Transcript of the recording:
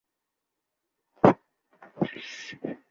যদিও সালমানের সঙ্গে দেখা হলে আমি তাঁর সঙ্গে সৌজন্যমূলক আচরণই করতাম।